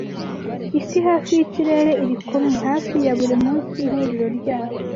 Isi hafi yikirere irikumwe, hafi ya buri munsi ihuriro ryabo,